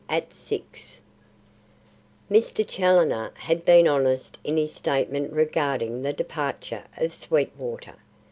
AT SIX Mr. Challoner had been honest in his statement regarding the departure of Sweetwater.